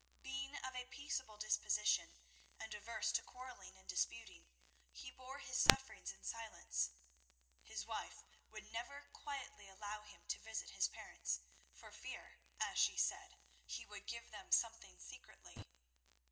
Being of a peaceable disposition, and averse to quarrelling and disputing, he bore his sufferings in silence. His wife would never quietly allow him to visit his parents, for fear, as she said, he would give them something secretly.